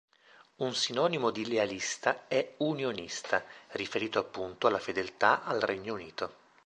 Un sinonimo di lealista è "unionista", riferito appunto alla fedeltà al Regno Unito.